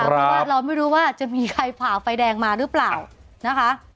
เพราะว่าเราไม่รู้ว่าจะมีใครฝ่าไฟแดงมาหรือเปล่านะคะ